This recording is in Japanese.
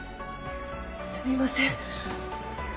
すみません。